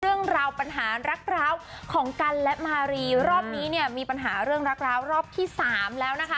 เรื่องราวปัญหารักร้าวของกันและมารีรอบนี้เนี่ยมีปัญหาเรื่องรักร้าวรอบที่สามแล้วนะคะ